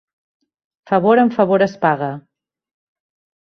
Favor amb favor es paga.